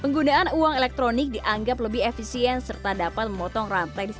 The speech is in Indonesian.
penggunaan uang elektronik dianggap lebih efisien serta dapat memotong rantai